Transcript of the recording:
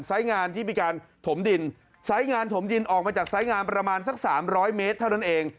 ไซด์งานที่ไปการถมดินไซด์งานถมดินออกมาจากไซด์งานประมาณสัก๓๐๐เมตรเท่านั้นเอง